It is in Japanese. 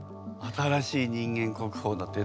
新しい人間国宝だって。